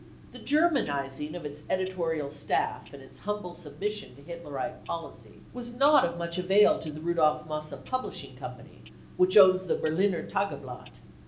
The* " Germanising 99 of its editorial staff and its humble submission to Hitlerite policy was not of much avail to the Rudolf Mosse Publishing Co., which owns the Berliner Tageblatt.